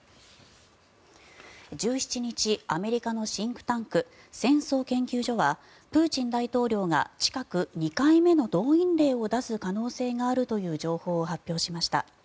１７日、アメリカのシンクタンク戦争研究所はプーチン大統領が近く２回目の動員令を出す可能性があるという情報を発表しました。